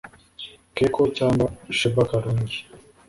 Keko cyangwa Sheebah Karungi